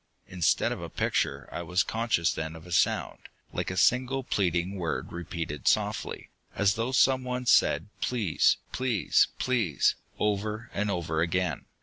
Instead of a picture, I was conscious then of a sound, like a single pleading word repeated softly, as though someone said "Please! Please! Please!" over and over again.